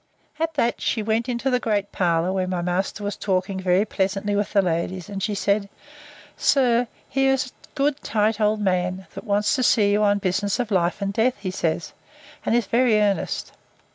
At that she went into the great parlour, where my master was talking very pleasantly with the ladies; and she said, Sir, here is a good tight old man, that wants to see you on business of life and death, he says, and is very earnest.